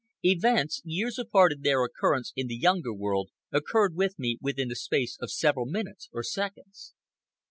Events, years apart in their occurrence in the Younger World, occurred with me within the space of several minutes, or seconds.